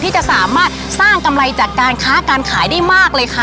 จะสามารถสร้างกำไรจากการค้าการขายได้มากเลยค่ะ